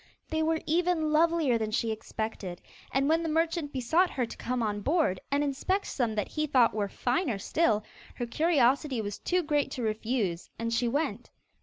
They were even lovelier than she expected, and when the merchant besought her to come on board, and inspect some that he thought were finer still, her curiosity was too great to refuse, and she went.